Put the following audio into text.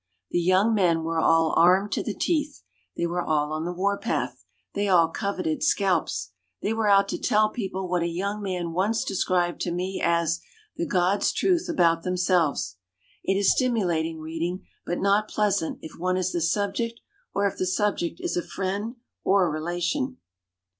The "young men" were all armed to the teeth. They were all on the war path. They all coveted scalps. They were out to tell people what a young man once de scribed to me as "the God's Truth about themselves". It is stimulating reading, but not pleasant if one is the subject or if the subject is a friend or relation.